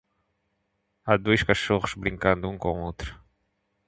Há dois cachorros brincando um com o outro.